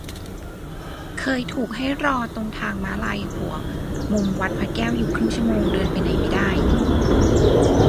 เคยถูกให้รอตรงทางม้าลายหัวมุมวัดพระแก้วอยู่ครึ่งชั่วโมง เดินไปไหนไม่ได้